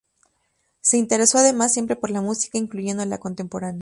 Se interesó además siempre por la música, incluyendo la contemporánea.